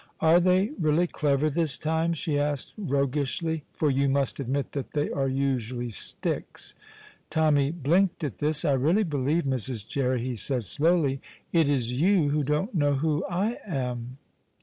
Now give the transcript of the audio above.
"Are they really clever this time?" she asked roguishly "for you must admit that they are usually sticks." Tommy blinked at this. "I really believe, Mrs. Jerry," he said slowly, "it is you who don't know who I am!"